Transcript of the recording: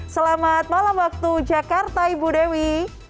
selamat malam waktu jakarta ibu dewi